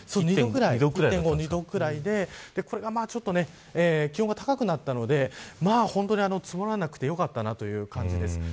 １．５度から２度くらいでこれが気温が高くなったので本当に積もらなくてよかったなという感じです。